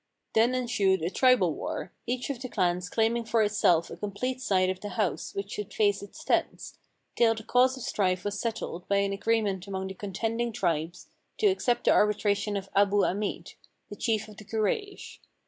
Then ensued a tribal war, each of the clans claiming for itself a complete side of the house which should face its tents, till the cause of strife was settled by an agreement among the contending tribes to accept the arbitration of Abu Amid, the chief of the Kuraish.